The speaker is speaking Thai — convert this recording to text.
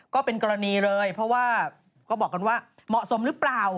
ก็เป็นกรณีเลยเพราะว่าก็บอกกันว่าเหมาะสมหรือเปล่า